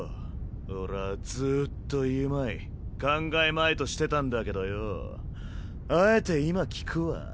俺はずっと言うまい考えまいとしてたんだけどよぉあえて今聞くわ。